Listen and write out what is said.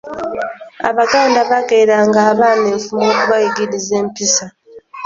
Abaganda baagereranga abaana enfumo okubayigiriza empisa.